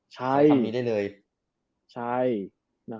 ใช่ตรงนี้ได้เลย